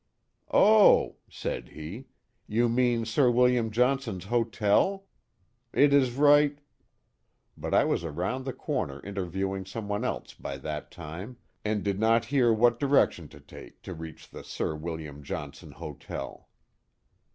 "Oh," said he, "you mean Sir William John i98 The Mohawk Valley son's Hotel ? It is right—" but I was around the corner in> tcrviewrng some one else fay that time, and did not hear what direction to take to reach the Sir William Johnson Hotel.